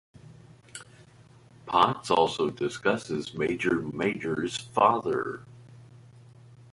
Potts also discusses Major Major's father.